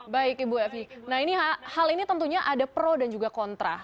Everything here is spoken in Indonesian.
baik ibu evi hal ini tentunya ada pro dan juga kontra